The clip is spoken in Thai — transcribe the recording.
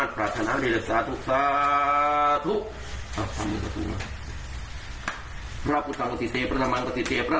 ครับไหนดูครับเม็ดเล็กเห็นมั้ย๒เมตรครับ